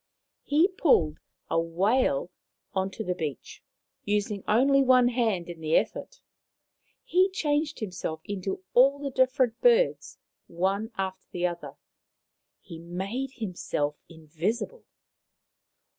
He pulled a whale on to the beach, using only one hand in the effort ; he changed himself into all the different birds, one after another ; he made himself invisible.